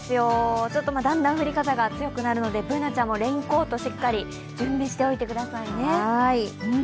だんだん降り方が強くなるのでＢｏｏｎａちゃんもレインコートしっかり準備しておいてくださいね。